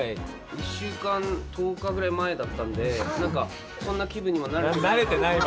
１週間１０日ぐらい前だったんで何かそんな気分にもなれてないまま。